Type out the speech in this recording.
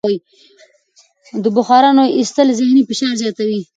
د بخارونو ایستل ذهني فشار زیاتوي.